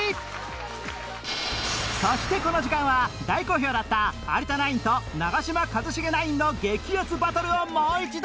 そしてこの時間は大好評だった有田ナインと長嶋一茂ナインの激熱バトルをもう一度